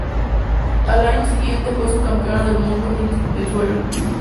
Al año siguiente, fue subcampeona del mundo en suelo.